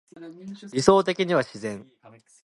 理想的には自然